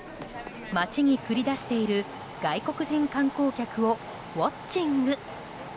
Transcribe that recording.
街に繰り出している外国人観光客をウォッチング。